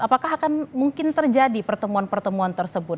apakah akan mungkin terjadi pertemuan pertemuan tersebut